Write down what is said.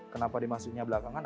kenapa dimasukinnya belakangan